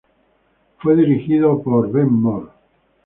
Fue dirigido por Ben Mor.